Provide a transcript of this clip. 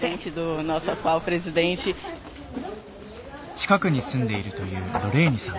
近くに住んでいるというロレーニさん。